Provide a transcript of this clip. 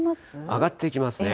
上がっていきますね。